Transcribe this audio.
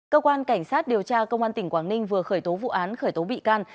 cơ quan cảnh sát điều tra công an tỉnh quảng ninh vừa khởi tố vụ án khởi tố bị can